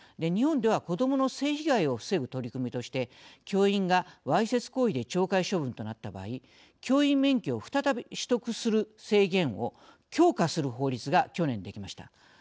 日本では子どもの性被害を防ぐ取り組みとして教員がわいせつ行為で懲戒処分となった場合教員免許を再び取得する制限を強化する法律が去年できました。